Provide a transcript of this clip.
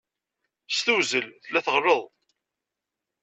S tewzel, tella teɣleḍ.